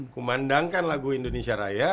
kubandangkan lagu indonesia raya